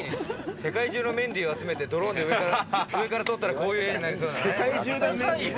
世界中のメンディーを集めてドローンで上から撮ったら、こういう画になりそうだね。